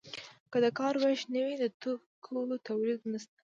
که د کار ویش نه وي د توکو تولید نشته.